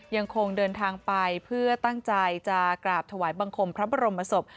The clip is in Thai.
ยังคงเดินทางไปเพื่อตั้งใจจะกราบถวายบังคมพระบรมศพ